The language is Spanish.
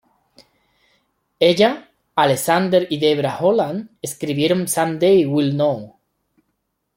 Ella, Alexander y Debra Holland escribieron "Someday We'll know".